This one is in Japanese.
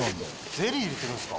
ゼリー入れてるんですか？